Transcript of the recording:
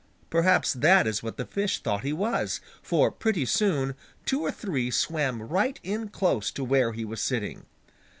Perhaps that is what the fish thought he was, for pretty soon, two or three swam right in close to where he was sitting.